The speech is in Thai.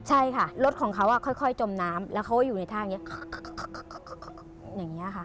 ใช่ค่ะรถของเขาอ่ะค่อยจมน้ำแล้วเขาอยู่ในท่านี้อย่างเงี้ยค่ะ